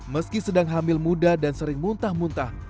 meski sedang hamil muda dan sering muntah muntah